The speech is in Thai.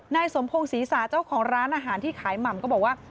นายสมพงศรีสาเจ้าของร้านอาหารที่ขายหม่ำก็บอกว่า